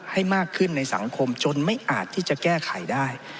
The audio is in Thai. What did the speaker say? ให้มากขึ้นในสังคมจนไม่อาจที่จะแก้ไขได้